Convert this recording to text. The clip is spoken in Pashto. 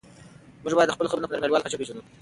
موږ باید د خپلو خلکو دودونه په نړيواله کچه وپېژنو.